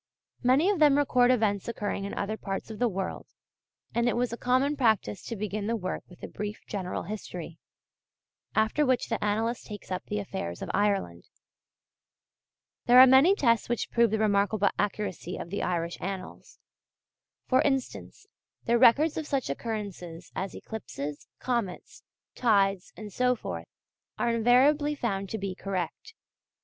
Many of them record events occurring in other parts of the world; and it was a common practice to begin the work with a brief general history, after which the annalist takes up the affairs of Ireland. There are many tests which prove the remarkable accuracy of the Irish Annals. For instance, their records of such occurrences as eclipses, comets, tides, and so forth, are invariably found to be correct.